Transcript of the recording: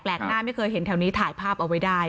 หน้าไม่เคยเห็นแถวนี้ถ่ายภาพเอาไว้ได้